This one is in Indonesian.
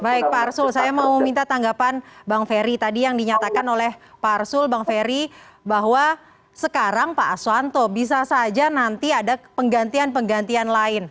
baik pak arsul saya mau minta tanggapan bang ferry tadi yang dinyatakan oleh pak arsul bang ferry bahwa sekarang pak aswanto bisa saja nanti ada penggantian penggantian lain